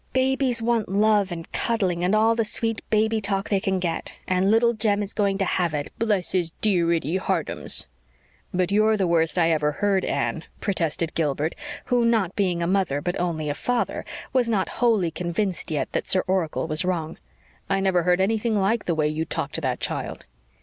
Babies want love and cuddling and all the sweet baby talk they can get, and Little Jem is going to have it, bless his dear itty heartums." "But you're the worst I ever heard, Anne," protested Gilbert, who, not being a mother but only a father, was not wholly convinced yet that Sir Oracle was wrong. "I never heard anything like the way you talk to that child."